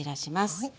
はい。